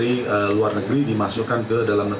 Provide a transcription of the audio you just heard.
lalu yang ketiga adalah kelompok yang diambil uang